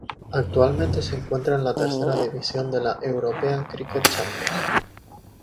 Actualmente se encuentra en la tercera división de la "European Cricket Championship".